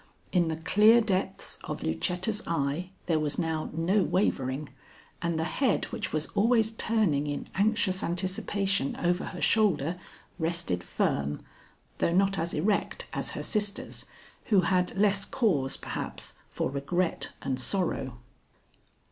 In the clear depths of Lucetta's eye there was now no wavering, and the head which was always turning in anxious anticipation over her shoulder rested firm, though not as erect as her sister's, who had less cause perhaps for regret and sorrow.